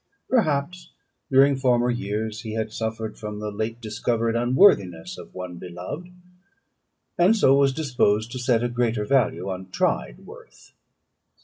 Perhaps during former years he had suffered from the late discovered unworthiness of one beloved, and so was disposed to set a greater value on tried worth.